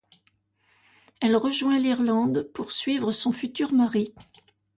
Elle rejoint l'Irlande pour suivre son futur mari.